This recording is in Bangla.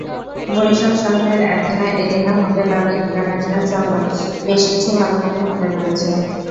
বরিশাল শহরে অ্যাথেনা, এরিনা, হোটেল আলী ইন্টারন্যাশনালসহ বেশ কিছু ভালোমানের হোটেল রয়েছে।